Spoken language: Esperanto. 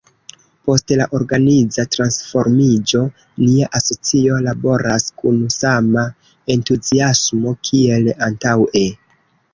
Post la organiza transformiĝo nia asocio laboras kun sama entuziasmo kiel antaŭe.